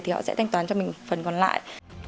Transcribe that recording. thì họ sẽ thanh toán cho mình phần còn lại